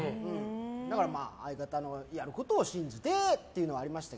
だから相方のやることを信じてというのはありますね。